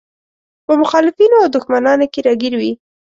په مخالفينو او دښمنانو کې راګير وي.